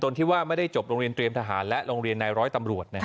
ที่ว่าไม่ได้จบโรงเรียนเตรียมทหารและโรงเรียนในร้อยตำรวจ